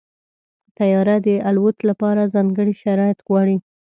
طیاره د الوت لپاره ځانګړي شرایط غواړي.